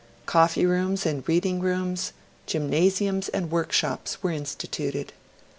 Coffee rooms and reading rooms, gymnasiums and workshops were instituted.